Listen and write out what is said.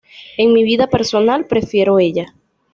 En mi vida personal prefiero "ella".